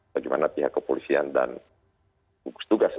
bagaimana pihak kepolisian dan tugas tugas